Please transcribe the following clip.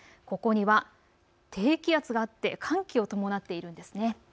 ここには低気圧があって寒気を伴っているんです。